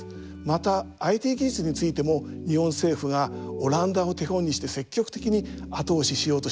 またＩＴ技術についても日本政府がオランダを手本にして積極的に後押ししようとしています。